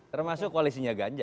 termasuk koalisinya ganja